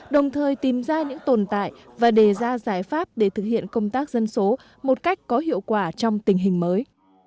đồng thời tìm ra những tồn tại và đề ra giải pháp để thực hiện công tác dân số một cách có hiệu quả trong tình hình mới